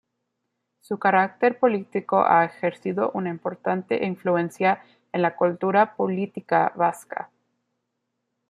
Su carácter político ha ejercido una importante influencia en la cultura política vasca.